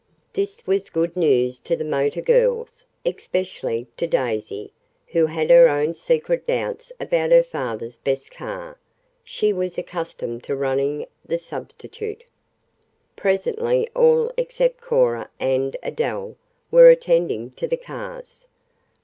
This was good news to the motor girls, especially to Daisy, who had her own secret doubts about her father's best car she was accustomed to running the substitute. Presently all except Cora and Adele were attending to the cars.